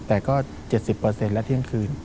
แต่ก็๗๐และเที่ยงคืน